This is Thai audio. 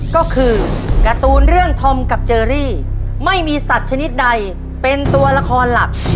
ก็คือการ์ตูนเรื่องธอมกับเจอรี่ไม่มีสัตว์ชนิดใดเป็นตัวละครหลัก